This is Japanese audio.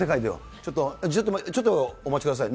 ちょっと、ちょっとお待ちください。